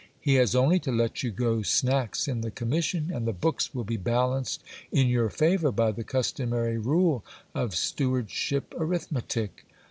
He has only to let you go snacks in the commission, and the books will be balanced in your favour by the customary ride of stewardship arithmetic.